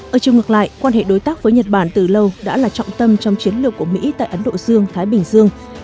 ở chiều ngược lại quan hệ đối tác với nhật bản từ lâu đã là trọng tâm trong chiến lược của mỹ tại ấn độ dương thái bình dương